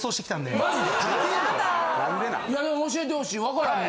でも教えてほしい。